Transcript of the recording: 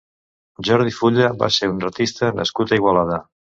Jordi Fulla va ser un artista nascut a Igualada.